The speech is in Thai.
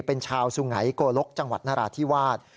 เป็นชาวสุงัยโกลกจังหวัดนราธิวาส